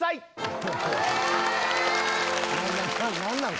何なん？